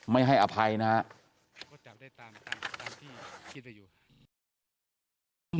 ไม่ให้อภัยนะฮะ